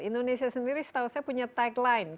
indonesia sendiri setahu saya punya tagline